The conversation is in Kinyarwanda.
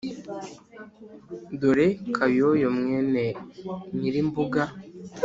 dore kayoyo mwene nyirimbuga.